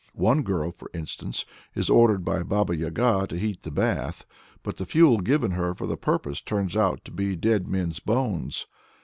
One girl, for instance, is ordered by a Baba Yaga to heat the bath, but the fuel given her for the purpose turns out to be dead men's bones.